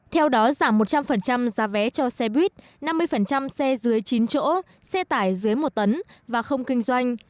theo đó giảm một trăm linh giá vé cho xe buýt năm mươi xe dưới chín chỗ xe tải dưới một tấn và không kinh doanh